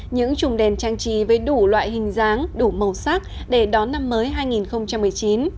những trùng đèn trang trí với đủ loại hình dáng đủ màu sắc để đón năm mới hai nghìn một mươi chín